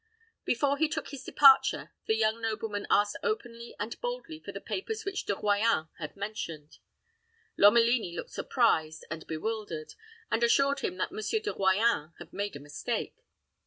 Before he took his departure, the young nobleman asked openly and boldly for the papers which De Royans had mentioned. Lomelini looked surprised and bewildered, and assured him that Monsieur de Royans had made a mistake.